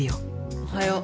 おはよう。